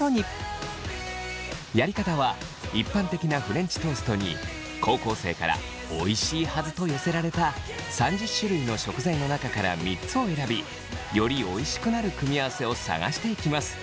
やり方は一般的なフレンチトーストに高校生からおいしいはずと寄せられた３０種類の食材の中から３つを選びよりおいしくなる組み合わせを探していきます。